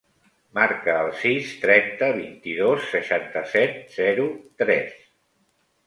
Marca el sis, trenta, vint-i-dos, seixanta-set, zero, tres.